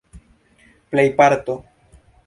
plejparto